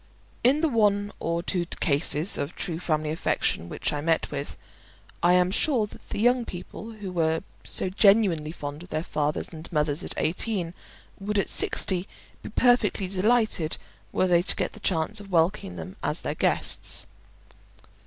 In the one or two cases of true family affection which I met with, I am sure that the young people who were so genuinely fond of their fathers and mothers at eighteen, would at sixty be perfectly delighted were they to get the chance of welcoming them as their guests.